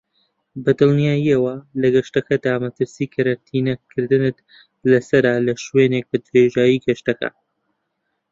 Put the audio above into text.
بەدڵنیاییەوە لە گەشتەکەتدا مەترسی کەرەنتینە کردنت لەسەرە لەشوێنێک بەدرێژایی گەشتەکە.